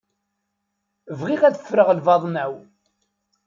Bɣiɣ ad ffreɣ lbaḍna-w.